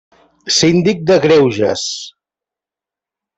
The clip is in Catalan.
Síndic de Greuges.